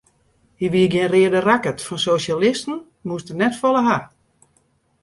Hy wie gjin reade rakkert, fan sosjalisten moast er net folle hawwe.